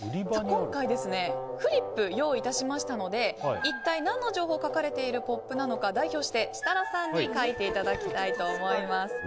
今回フリップを用意しましたので一体何の情報を書かれているポップなのか代表して設楽さんに書いていただきたいと思います。